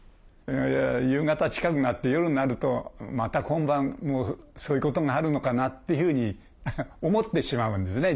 夕方近くなって夜になるとまた今晩もそういうことがあるのかなっていうふうに思ってしまうんですね